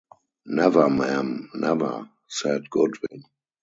‘Never, ma’am — never,’ said Goodwin.